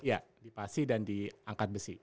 ya di pasi dan di angkat besi